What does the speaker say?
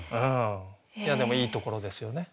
でもいいところですよね。